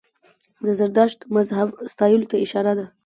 د زردشت مذهب ستایلو ته اشاره ده.